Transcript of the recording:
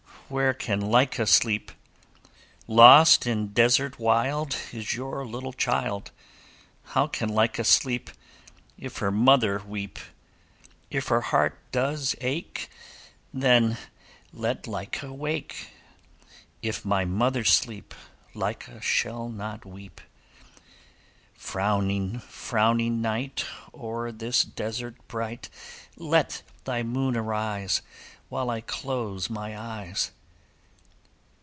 Where can Lyca sleep? 'Lost in desert wild Is your little child. How can Lyca sleep If her mother weep? 'If her heart does ache, Then let Lyca wake; If my mother sleep, Lyca shall not weep. 'Frowning, frowning night, O'er this desert bright Let thy moon arise, While I close my eyes.